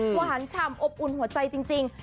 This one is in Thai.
หวานฉ่ำอบอุ่นหัวใจจริง